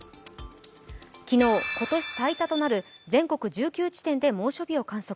昨日、今年最多となる全国１９地点で猛暑日を観測。